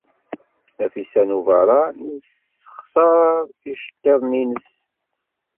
Nafisa n Ubeṛṛan ur tessexṣar iceḍḍiḍen-nnes.